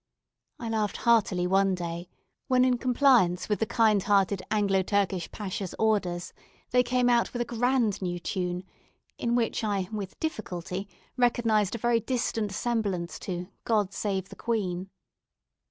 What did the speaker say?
I laughed heartily one day, when, in compliance with the kind hearted Anglo Turkish Pacha's orders, they came out with a grand new tune, in which I with difficulty recognised a very distant resemblance to "God save the Queen."